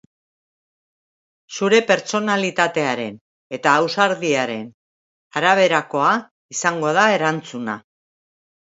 Zure pertsonalitatearen eta ausardiaren araberakoa izango da erantzuna.